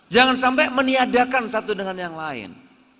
jangan sampai meniadakan satu dengan yang lain